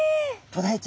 え！